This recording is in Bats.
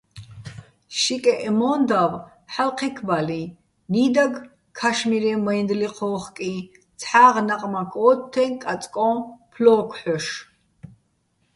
შიკეჸ მო́ნდავ ჰ̦ალო̆ ქჵექბალიჼ, ნიდაგ, ქაშმირეჼ მაჲნდლი ჴო́ხკიჼ, ცჰ̦აღ ნაყმაქ ო́თთეჼ კაწკოჼ ფლო́ქო̆ ჰ̦ოშ.